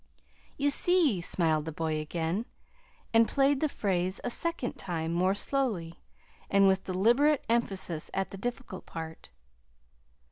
"You see," smiled the boy again, and played the phrase a second time, more slowly, and with deliberate emphasis at the difficult part.